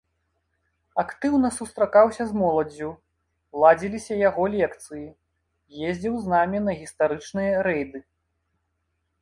Актыўна сустракаўся з моладдзю, ладзіліся яго лекцыі, ездзіў з намі на гістарычныя рэйды.